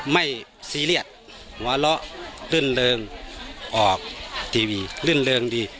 ซีเรียสหัวเราะลื่นเริงออกทีวีรื่นเริงดี